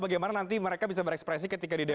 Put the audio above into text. bagaimana nanti mereka bisa berekspresi ketika di dpr